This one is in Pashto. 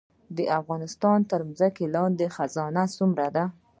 د افغانستان تر ځمکې لاندې خزانې څومره دي؟